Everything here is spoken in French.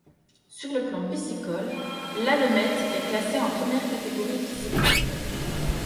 Sur le plan piscicole, l'Allemette est classé en première catégorie piscicole.